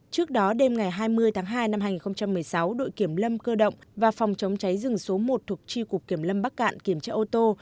trước đó đêm ngày hai mươi tháng hai năm hai nghìn một mươi sáu đội kiểm lâm cơ động và phòng chống cháy rừng số một thuộc tri cục kiểm lâm bắc cạn kiểm tra ô tô